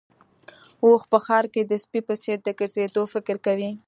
اوښ په ښار کې د سپي په څېر د ګرځېدو فکر کوي.